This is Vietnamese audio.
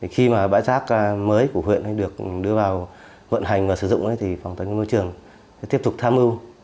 khi mà bãi rác mới của huyện được đưa vào vận hành và sử dụng thì phòng thống môi trường tiếp tục tham ưu